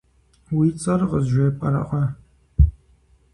Уи цӀэр къызжепӀэркъэ.